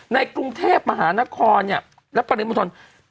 ในกรุงเทพมหานครปริมนธน